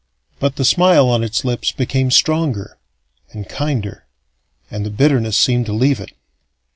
But the smile on its lips became stronger, and kinder, and the bitterness seemed to leave it.